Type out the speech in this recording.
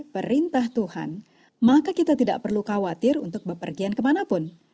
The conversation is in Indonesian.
perintah tuhan maka kita tidak perlu khawatir untuk bepergian kemanapun